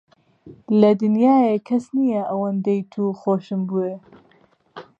لە دنیایێ کەس نییە ئەوەندەی توو خۆشم بوێ.